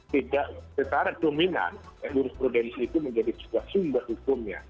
tidak secara dominan jurus prudensi itu menjadi sebuah sumber hukumnya